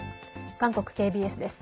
韓国ＫＢＳです。